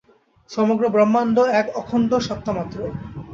সমগ্র ব্রহ্মাণ্ড এক অখণ্ড সত্তামাত্র।